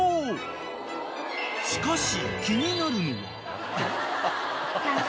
［しかし］